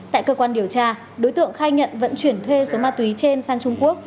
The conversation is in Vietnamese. tại cơ quan điều tra đối tượng khai nhận vận chuyển thuê số ma túy trên sang trung quốc